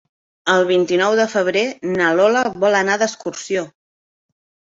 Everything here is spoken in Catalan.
El vint-i-nou de febrer na Lola vol anar d'excursió.